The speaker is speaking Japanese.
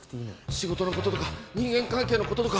仕事のこととか人間関係のこととか。